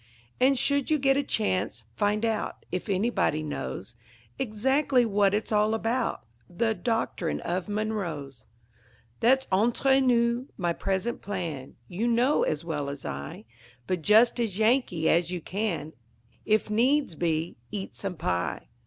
And, should you get a chance, find out If anybody knows Exactly what it's all about, That Doctrine of Monroe's. That's entre nous. My present plan You know as well as I; Be just as Yankee as you can; If needs be, eat some pie.